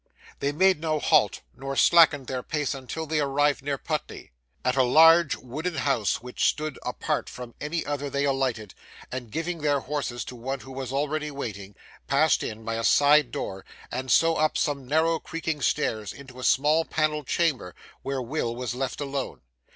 They made no halt nor slackened their pace until they arrived near Putney. At a large wooden house which stood apart from any other they alighted, and giving their horses to one who was already waiting, passed in by a side door, and so up some narrow creaking stairs into a small panelled chamber, where Will was left alone.